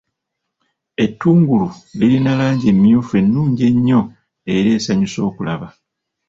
Ettungulu lirina langi emmyufu ennungi ennyo era esanyusa okulaba.